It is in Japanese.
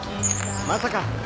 まさか。